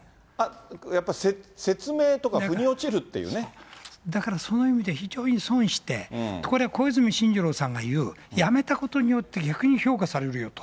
やっぱり説明とか、だからその意味で非常に損して、ところが小泉進次郎さんが言う、辞めたことによって逆に評価されるよと。